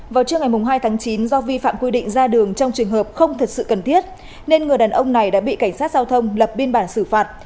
vào trưa ngày hai tháng chín do vi phạm quy định ra đường trong trường hợp không thật sự cần thiết nên người đàn ông này đã bị cảnh sát giao thông lập biên bản xử phạt